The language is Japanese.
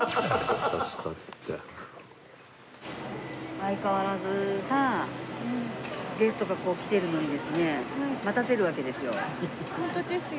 相変わらずさゲストが来ているのにですね待たせるわけですよ。